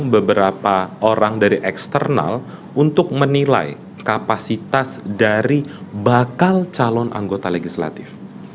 beberapa orang dari eksternal untuk menilai kapasitas dari bakal calon anggota legislatif